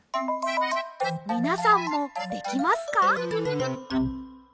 みなさんもできますか？